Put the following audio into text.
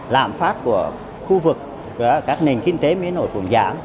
lạm phát của khu vực các nền kinh tế miền nội cũng giảm